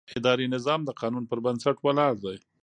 اداري نظام د قانون پر بنسټ ولاړ دی.